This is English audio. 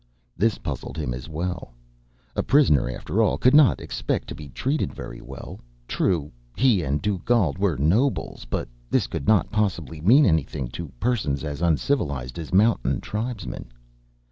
This puzzled him as well. A prisoner, after all, could not expect to be treated very well. True, he and Dugald were nobles, but this could not possibly mean anything to persons as uncivilized as mountain tribesmen.